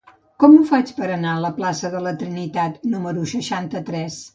Com ho faig per anar a la plaça de la Trinitat número seixanta-tres?